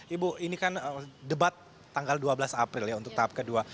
ibu ini kan debat tanggal dua belas april ya untuk tahap kedua